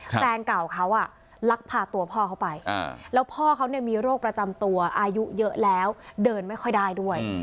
แฟนเก่าเขาลักพาตัวพ่อเขาไปแล้วพ่อเขามีโรคประจำตัวอายุเยอะแล้วเดินไม่ค่อยได้ด้วย